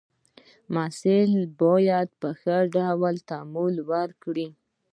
محصل باید په ښه ډول تعامل وکړي.